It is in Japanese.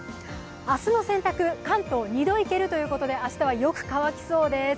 明日の洗濯、関東２度イケるということで、明日はよく乾きそうです。